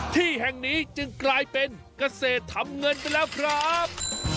ที่แห่งนี้จึงกลายเป็นเกษตรทำเงินไปแล้วครับ